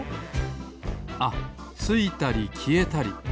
ついたりきえたり。